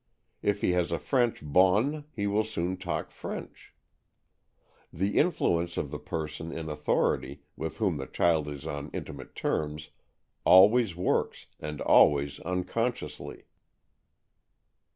If he has a French bonne, he will soon talk French. The influence of the person in authority, with whom the child is AN EXCHANGE OF SOULS 75 on intimate terms, always works, and always unconsciously."